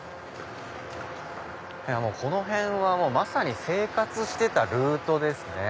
この辺は生活してたルートです。